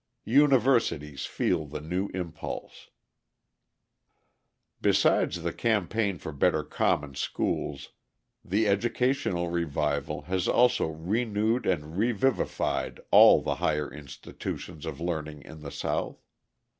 Universities Feel the New Impulse Besides the campaign for better common schools, the educational revival has also renewed and revivified all the higher institutions of learning in the South.